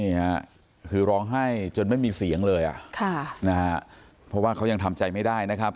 นี่ค่ะคือร้องไห้จนไม่มีเสียงเลยอ่ะค่ะนะฮะเพราะว่าเขายังทำใจไม่ได้นะครับ